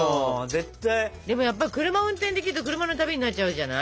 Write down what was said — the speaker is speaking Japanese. でもやっぱり車運転できると車の旅になっちゃうじゃない？